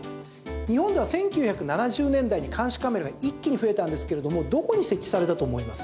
日本では１９７０年代に監視カメラが一気に増えたんですけれどもどこに設置されたと思います？